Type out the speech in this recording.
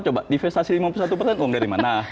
coba divestasi lima puluh satu persen uang dari mana